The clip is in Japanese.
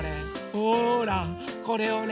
ほらこれをね